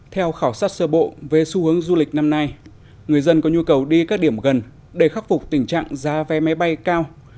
theo khảo sát sơ bộ về xu hướng du lịch năm nay người dân có nhu cầu đi các điểm gần để khắc phục tình trạng giá vé máy bay cao